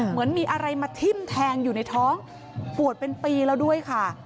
เหมือนมีอะไรมาทิ้มแทงอยู่ในท้องปวดเป็นปีแล้วด้วยค่ะ